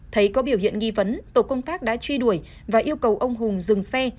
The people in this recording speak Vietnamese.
thấy có biểu hiện nghi vấn tổ công tác đã truy đuổi và yêu cầu ông hùng dừng xe